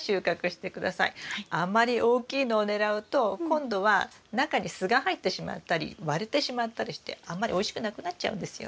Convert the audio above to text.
あんまり大きいのをねらうと今度は中にすが入ってしまったり割れてしまったりしてあんまりおいしくなくなっちゃうんですよ。